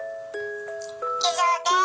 以上です！